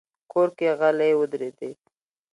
کور کې غلې ودرېدې.